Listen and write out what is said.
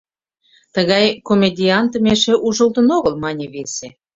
— Тыгай комедиантым эше ужылтын огыл, — мане весе.